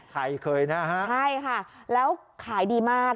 เคยนะฮะใช่ค่ะแล้วขายดีมาก